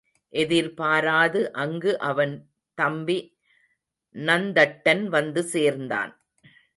எதிர்பாராது அங்கு அவன் தம்பி நந்தட்டன் வந்து சேர்ந்தான்.